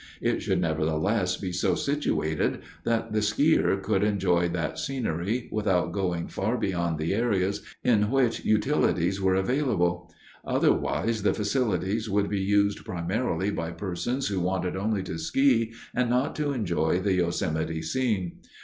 It should, nevertheless, be so situated that the skier could enjoy that scenery without going far beyond the areas in which utilities were available; otherwise, the facilities would be used primarily by persons who wanted only to ski and not to enjoy the Yosemite scene.